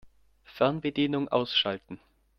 Fernbedienung ausschalten.